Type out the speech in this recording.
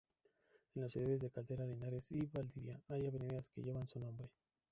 En las ciudades de Caldera, Linares y Valdivia hay avenidas que llevan su nombre.